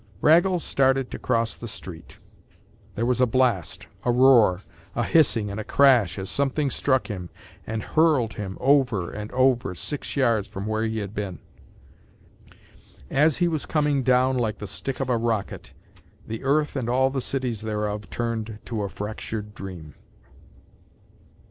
Raggles started to cross the street. There was a blast, a roar, a hissing and a crash as something struck him and hurled him over and over six yards from where he had been. As he was coming down like the stick of a rocket the earth and all the cities thereof turned to a fractured dream.